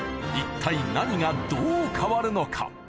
一体何がどう変わるのか？